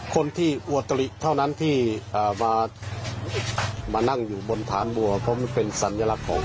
คนที่อวตริเท่านั้นที่มานั่งอยู่บนฐานบัวเพราะมันเป็นสัญลักษณ์ของ